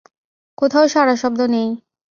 কোথাও সাড়াশব্দ নাই।